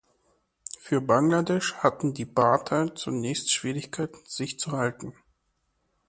Für Bangladesch hatten die Batter zunächst Schwierigkeiten sich zu halten.